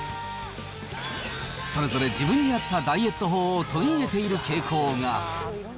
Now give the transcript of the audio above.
それぞれ自分に合ったダイエット法を取り入れている傾向が。